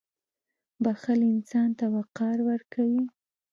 • بښل انسان ته وقار ورکوي.